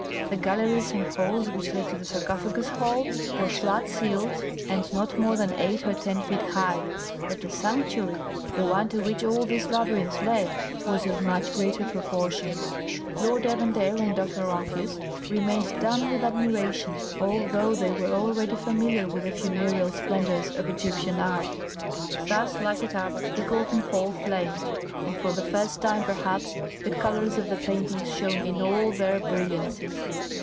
The galleries and halls which led to the sarcophagus hall were flat ceiled and not more than eight or ten feet high; but the sanctuary, the one to which all these labyrinths led, was of much greater proportions. Lord Evandale and Dr. Rumphius remained dumb with admiration, although they were already familiar with the funereal splendours of Egyptian art. Thus lighted up, the Golden Hall flamed, and for the first time, perhaps, the colours of the paintings shone in all their brilliancy.